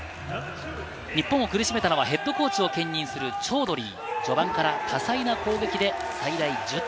日本を苦しめたのはヘッドコーチを兼任するチョードリー。